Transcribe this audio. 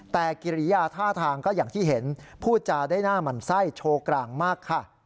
แต่กิริยาท่าทางก็อย่างที่เห็นพูดจาได้หน้าหมั่นไส้โชว์กลางมากค่ะ